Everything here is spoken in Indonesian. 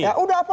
ya udah apa lagi